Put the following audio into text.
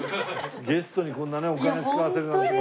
ゲストにこんなねお金使わせるなんて。